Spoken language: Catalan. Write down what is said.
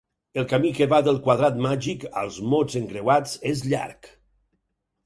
El camí que va del quadrat màgic als mots encreuats és llarg.